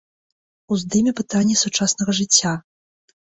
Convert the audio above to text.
Уздыме пытанні сучаснага жыцця.